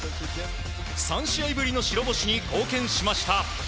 ３試合ぶりの白星に貢献しました。